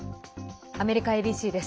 アメリカＡＢＣです。